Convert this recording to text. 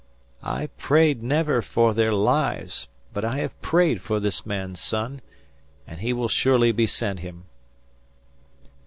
I prayed never for their lives, but I have prayed for this man's son, and he will surely be sent him."